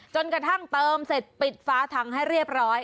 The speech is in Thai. จนกระทั่งเติมเสร็จปิดฟ้าถังให้เรียบร้อย